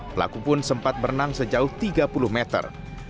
pelaku pun sempat berenang sejauh tiga puluh meter